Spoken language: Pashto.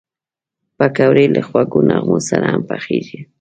پکورې له خوږو نغمو سره هم پخېږي